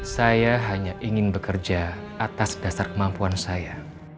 saya hanya ingin bekerja atas dasar kemampuan saya